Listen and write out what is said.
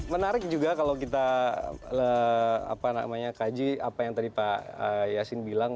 menarik juga kalau kita kaji apa yang tadi pak yasin bilang